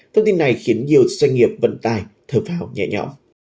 thông tin này khiến nhiều doanh nghiệp vận tài thơ vào nhẹ nhõm